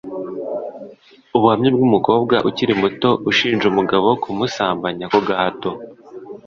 Ubuhamya bwumukobwa ukiri muto ushinja umugabo kumusambanya ku gahato